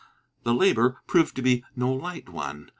The labor proved to be no light one.